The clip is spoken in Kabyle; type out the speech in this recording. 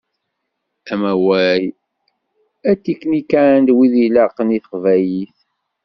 Amawal atiknikand win ilaqen i teqbaylit.